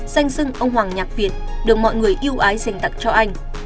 danh sưng ông hoàng nhạc việt được mọi người yêu ái dành tặng cho anh